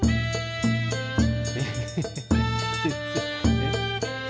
えっ？